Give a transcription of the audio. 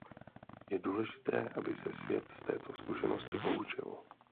Je důležité, aby se svět z této zkušenosti poučil.